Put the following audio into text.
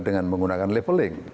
dengan menggunakan leveling